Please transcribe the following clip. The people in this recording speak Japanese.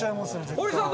堀さん